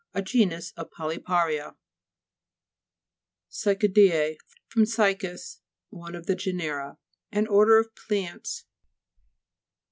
A genus of polypa'ria (p, 31). CTCA'DE^E (From cycas, one of the genera.) An order of plants.